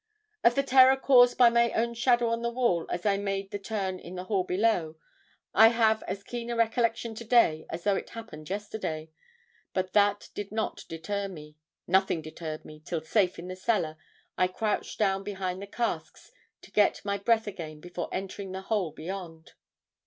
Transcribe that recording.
"Of the terror caused by my own shadow on the wall as I made the turn in the hall below, I have as keen a recollection today as though it happened yesterday. But that did not deter me; nothing deterred me, till safe in the cellar I crouched down behind the casks to get my breath again before entering the hole beyond.